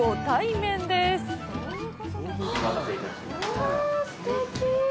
うわぁ、すてき！